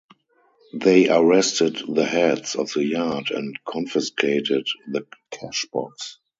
They arrested the heads of the yard and confiscated the cashbox.